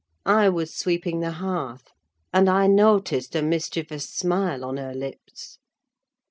I was sweeping the hearth, and I noticed a mischievous smile on her lips.